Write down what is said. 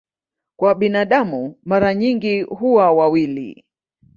Kwa binadamu mara nyingi huwa wawili.